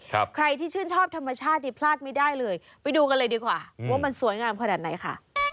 ใครที่ชื่นชอบธรรมชาตินี่พลาดไม่ได้เลยไปดูกันเลยดีกว่าว่ามันสวยงามขนาดไหนค่ะ